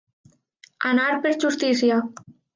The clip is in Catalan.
Anar per justícia.